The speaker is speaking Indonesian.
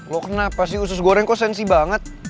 loh kenapa sih usus goreng kok sensi banget